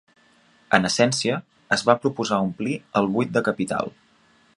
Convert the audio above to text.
En essència, es va proposar omplir el "buit de capital".